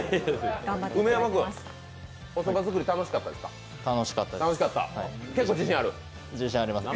梅山君、おそば作り楽しかったですか。